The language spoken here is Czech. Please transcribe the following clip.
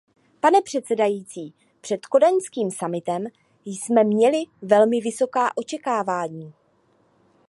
Pane předsedající, před kodaňským summitem jsme měli velmi vysoká očekávání.